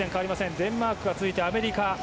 デンマークが続いて、アメリカ。